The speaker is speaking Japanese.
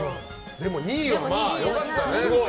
でも２位は良かったね。